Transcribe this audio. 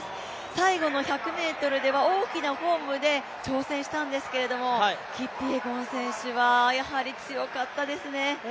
最後の１００ｍでは大きなフォームで挑戦したんですけども、キピエゴン選手はやはり強かったですね。